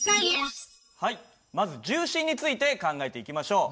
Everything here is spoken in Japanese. まず重心について考えていきましょう。